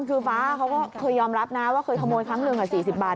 คือฟ้าเขาก็เคยยอมรับนะว่าเคยขโมยครั้งหนึ่ง๔๐บาท